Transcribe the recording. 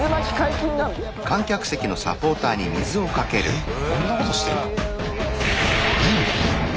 えっこんなことしてんの？